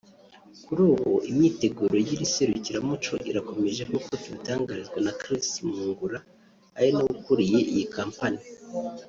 Kuri ubu imyiteguro y’iri serukiramuco irakomeje nk’uko tubitangarizwa na Chris Mwungura ari nawe ukuriye iyi company